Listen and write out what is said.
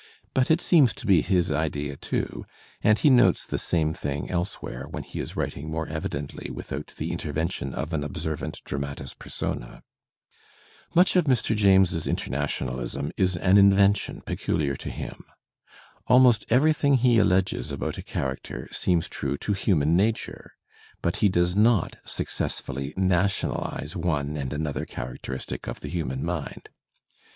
But it seems to be his idea too, and he notes the same thing else where when he is writing more evidently without the inter vention of an observant dramatis persona. Much of Mr. James's internationalism is an invention peculiar to him. Almost everything he alleges about a character seems true to human nature, but he does not successfully nationalize one and another characteristic of the human mind.